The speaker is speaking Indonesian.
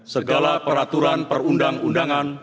segala peraturan perundang undangan